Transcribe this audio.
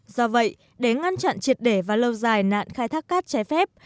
do vậy để ngăn chặn triệt để và lâu dài nạn khai thác cát trái phép